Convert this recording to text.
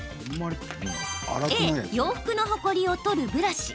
Ａ・洋服のホコリを取るブラシ。